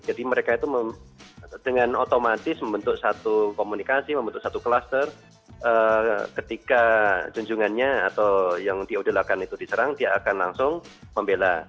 jadi mereka itu dengan otomatis membentuk satu komunikasi membentuk satu cluster ketika junjungannya atau yang diudulakan itu diserang dia akan langsung membela